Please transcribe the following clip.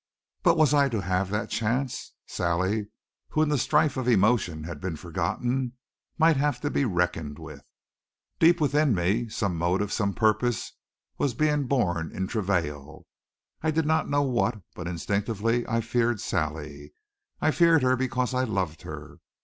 But was I to have that chance? Sally, who in the stife of emotion had been forgotten, might have to be reckoned with. Deep within me, some motive, some purpose, was being born in travail. I did not know what, but instinctively I feared Sally. I feared her because I loved her.